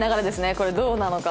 これどうなのか。